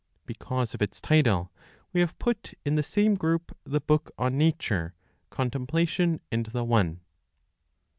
Because of its title, we have put in the same group the book on Nature, Contemplation, and the One.